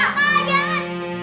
kakak buka pintunya